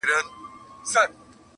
• اه بې خود د اسمان ستوري په لړزه کړي,